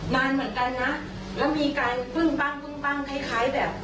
นานเหมือนกันนะแล้วมีการปึ้งปั้งคล้ายแบบ